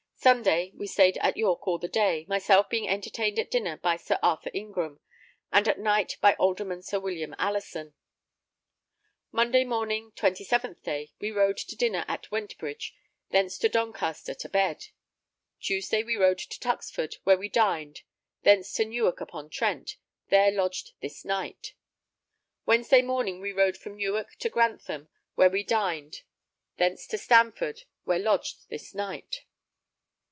Sunday, we stayed at York all the day, myself being entertained at dinner by Sir Arthur Ingram and at night by Alderman Sir William Allison. Monday morning, 27th day, we rode to dinner to Wentbridge, thence to Doncaster to bed. Tuesday we rode to Tuxford, where we dined; thence to Newark upon Trent, there lodged this night. Wednesday morning we rode from Newark to Grantham where we dined; thence to Stamford, where lodged this night.